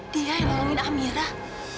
dia yang nolongin amirah